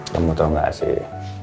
kamu tau gak sih